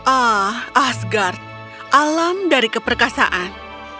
ah asgard alam dari keperkasaan